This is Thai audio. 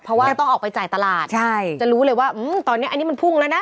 เพราะว่าต้องออกไปจ่ายตลาดใช่จะรู้เลยว่าอืมตอนนี้อันนี้มันพุ่งแล้วนะ